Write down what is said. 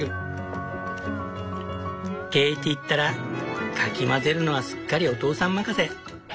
ケイティったらかき混ぜるのはすっかりお父さん任せ。